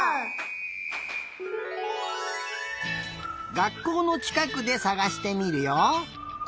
がっこうのちかくでさがしてみるよ。